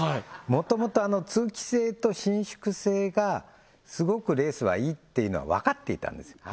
もともと通気性と伸縮性がすごくレースはいいっていうのは分かっていたんですよね